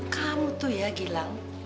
kamu tuh ya gilang